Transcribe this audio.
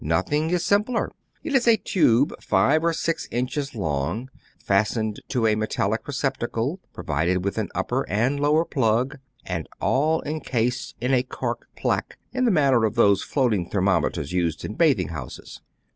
Nothing is simpler. It is a tube five or six inches long, fastened to a metallic receptacle, pro vided with an upper and a lower plug, and all encased in a cork plaque in the manner of those floating thermometers used in bathing houses.